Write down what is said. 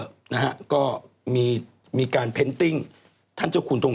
โอเคไปกันสักนิดนึง